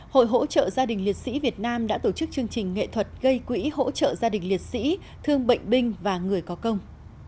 hội hỗ trợ gia đình liệt sĩ việt nam đã tổ chức chương trình nghệ thuật gây quỹ hỗ trợ gia đình liệt sĩ thương bệnh binh và người có công